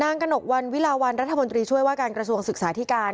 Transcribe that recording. กระหนกวันวิลาวันรัฐมนตรีช่วยว่าการกระทรวงศึกษาธิการ